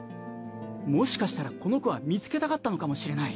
もしかしたらこの子は見つけたかったのかもしれない。